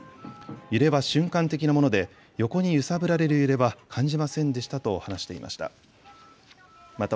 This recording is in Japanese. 揺れは瞬間的なもので横に揺さぶられる揺れは感じませんでしたと話していました。